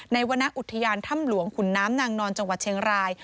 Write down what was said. วรรณอุทยานถ้ำหลวงขุนน้ำนางนอนจังหวัดเชียงราย